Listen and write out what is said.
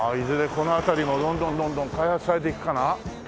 この辺りもどんどんどんどん開発されていくかな？